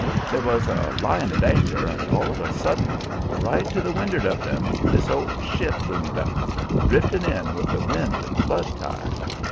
They was a lyin' at anchor, and all of a sudden, right to the wind'ard of 'em, this old ship loomed up, driftin' in with the wind and flood tide.